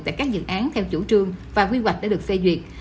tại các dự án theo chủ trương và quy hoạch đã được phê duyệt